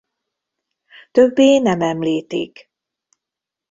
Többé nem említik.